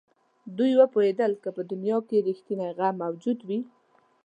دوی پوهېدل که په دنیا کې رښتونی غم موجود وي.